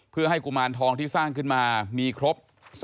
เพื่อให้กุมารทองที่สร้างขึ้นมามีครบ